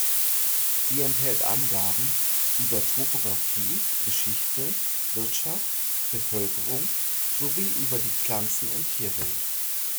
Sie enthält Angaben über Topographie, Geschichte, Wirtschaft, Bevölkerung sowie über die Pflanzen- und Tierwelt.